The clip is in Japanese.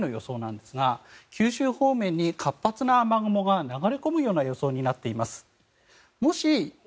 これ、次の日曜日の雨の予想なんですが九州方面に活発な雨雲が流れ込む予想になっています。